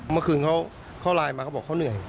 เมื่อคืนเขาไลน์มาเขาบอกเขาเหนื่อย